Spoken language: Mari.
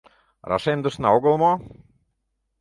Рашемдышна огыл мо?